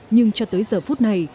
nhưng cho tới giờ phút này